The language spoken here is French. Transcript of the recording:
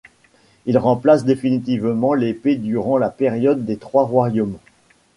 Il remplace définitivement l'épée durant la période des Trois Royaumes.